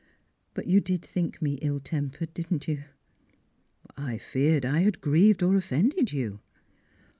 But you did think me ill tempered, didn't you?" " I feared I had grieved or offended you."